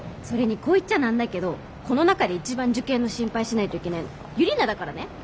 それにこう言っちゃなんだけどこの中で一番受験の心配しないといけないのユリナだからね。